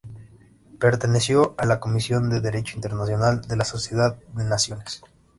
Perteneció a la Comisión de Derecho Internacional de la Sociedad de Naciones.